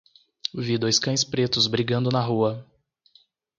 Vi dois cães pretos brigando na rua